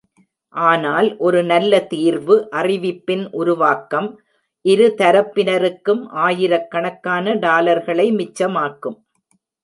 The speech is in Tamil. ஆனால் ஒரு நல்ல தீர்வு அறிவிப்பின் உருவாக்கம், இரு தரப்பினருக்கும் ஆயிரக்கணக்கான டாலர்களை மிச்சமாக்கும்.